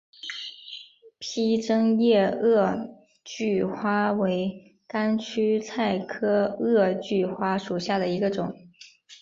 披针叶萼距花为千屈菜科萼距花属下的一个种。